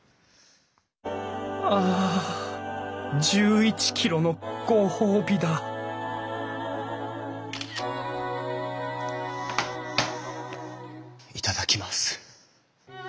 ああ１１ｋｍのご褒美だ頂きます。